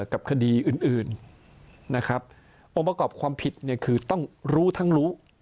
กับคดีอื่นนะครับองค์ประกอบความผิดเนี่ยคือต้องรู้ทั้งรู้